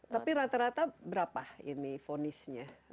tapi rata rata berapa ini vonisnya